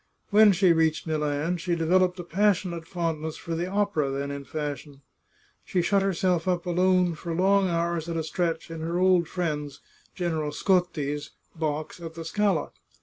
When she reached Milan she developed a passionate fondness for the opera then in fashion. She shut herself up alone for long hours at a stretch in her old friend's, General Scotti's, box at the Scala.